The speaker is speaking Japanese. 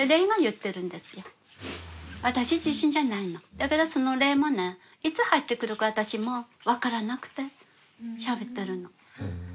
だからその霊もねいつ入ってくるか私も分からなくてしゃべってるの。